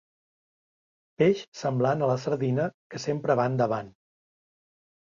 Peix semblant a la sardina que sempre va endavant.